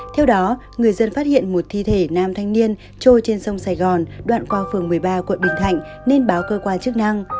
theo đó người dân phát hiện một thi thể nam thanh niên trôi trên sông sài gòn đoạn qua phường một mươi ba quận bình thạnh nên báo cơ quan chức năng